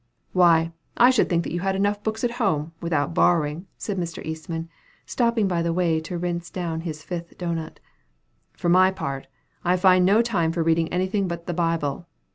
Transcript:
'" "Why, I should think that you had books enough at home, without borrowing," said Mr. Eastman, stopping by the way to rinse down his fifth dough nut. "For my part, I find no time for reading anything but the Bible."